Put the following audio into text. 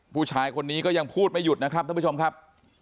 ผู้ชายคนนี้ก็ยังพูดไม่หยุดนะครับท่านผู้ชมครับ